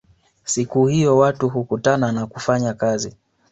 Siku hiyo watu hukutana na kufanya kazi